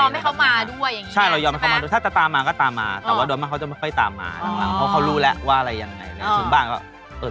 ยอมให้เขามาด้วยใช่มั้ยถ้าจะตามมาก็ตามมาแต่ว่าโดยไม่เขาจะค่อยตามมาอะพอเขารู้แหละว่าอะไรยังไง